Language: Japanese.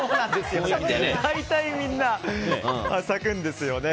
大体、みんな咲くんですよね。